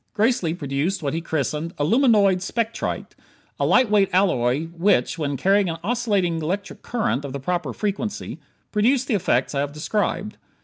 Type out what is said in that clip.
Gracely produced what he christened "aluminoid spectrite" a light weight alloy which, when carrying an oscillating electronic current of the proper frequency, produced the effects I have described.